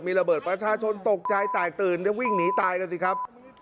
มีระเบิดประชาชนตกใจแตกตื่นแล้ววิ่งหนีตายกันสิครับ